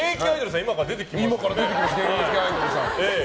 今から出てきますよ。